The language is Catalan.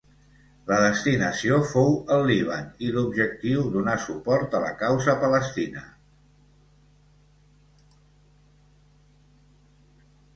La destinació fou el Líban i l'objectiu donar suport a la causa palestina.